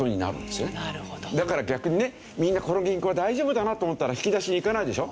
だから逆にねみんなこの銀行は大丈夫だなと思ったら引き出しにいかないでしょ。